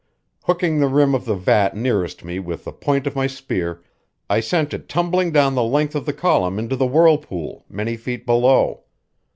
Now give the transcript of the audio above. Hooking the rim of the vat nearest me with the point of my spear, I sent it tumbling down the length of the column into the whirlpool, many feet below.